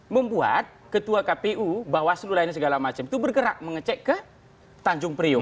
membuat ketua kpu bawah seluruh lainnya segala macam itu bergerak mengecek ke tanjung priok